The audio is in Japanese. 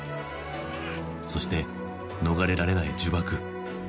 そして逃れられない呪縛。